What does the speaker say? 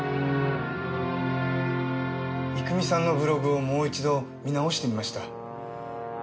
郁美さんのブログをもう一度見直してみました。